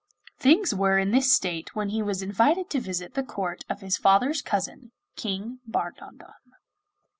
Things were in this state when he was invited to visit the court of his father's cousin, King Bardondon.